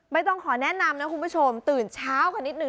ไม่ต้องขอแนะนำนะคุณผู้ชมตื่นเช้ากันนิดนึ